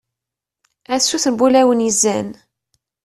a sut n wulawen yezzan